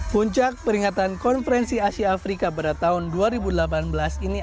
puncak peringatan konferensi asia afrika pada tahun dua ribu delapan belas ini